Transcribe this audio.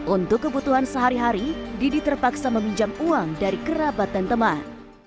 untuk kebutuhan sehari hari didi terpaksa meminjam uang dari kerabat dan teman